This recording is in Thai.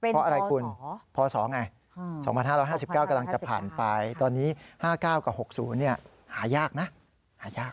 เพราะอะไรคุณพศไง๒๕๕๙กำลังจะผ่านไปตอนนี้๕๙กับ๖๐หายากนะหายาก